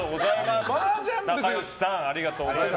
「なかよし」さんありがとうございます。